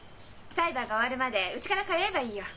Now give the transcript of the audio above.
裁判が終わるまでうちから通えばいいよ。